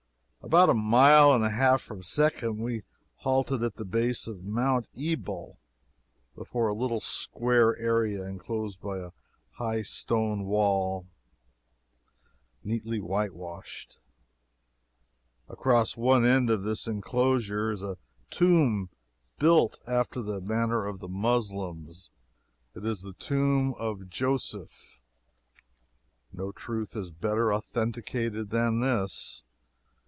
About a mile and a half from Shechem we halted at the base of Mount Ebal before a little square area, inclosed by a high stone wall, neatly whitewashed. Across one end of this inclosure is a tomb built after the manner of the Moslems. It is the tomb of Joseph. No truth is better authenticated than this.